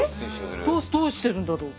どうしてるんだろう？